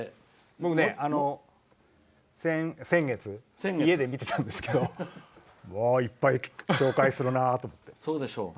僕ね、先月家で見てたんですけどいっぱい紹介するなと思って。